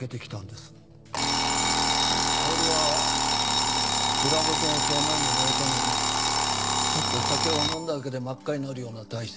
薫は蔵元の長男に生まれたのにちょっと酒を飲んだだけで真っ赤になるような体質でした。